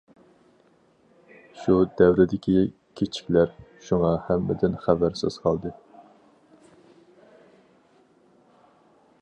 شۇ دەۋردىكى كىچىكلەر شۇڭا «ھەممىدىن» خەۋەرسىز قالدى.